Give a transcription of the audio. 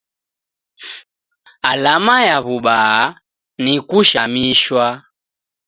Alama ya w'ubaa ni kushamishwa